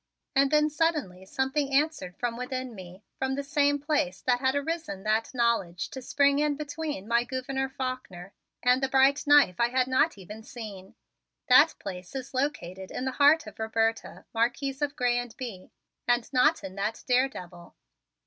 And then suddenly something answered from within me from the same place that had arisen that knowledge to spring in between my Gouverneur Faulkner and the bright knife I had not even seen. That place is located in the heart of Roberta, Marquise of Grez and Bye, and not in that daredevil.